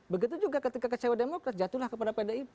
begitu juga ketika kecewa demokrat jatuhlah kepada pdip